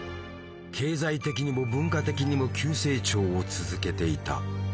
経済的にも文化的にも急成長を続けていた。